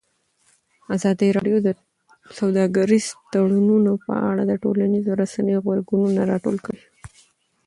ازادي راډیو د سوداګریز تړونونه په اړه د ټولنیزو رسنیو غبرګونونه راټول کړي.